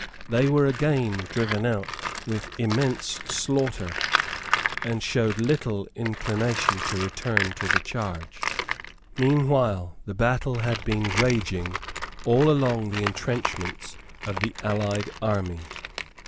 They were again driven out with immense slaughter, and showed little inclination to return to the charge. Meanwhile the battle had been raging all along the entrenchments of the allied army.